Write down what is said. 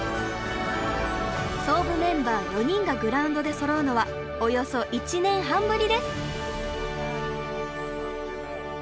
創部メンバー４人がグラウンドでそろうのはおよそ１年半ぶりです。